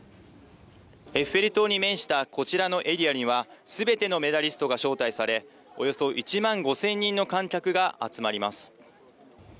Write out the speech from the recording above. エッフェル塔に面したこちらのエリアには全てのメダリストが招待されおよそ１万５０００人の観客が集まります。